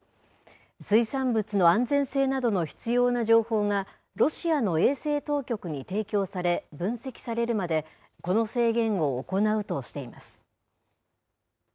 水産物の安全性などの必要な情報がロシアの衛生当局に提供され、分析されるまで、この制限を行うとしています。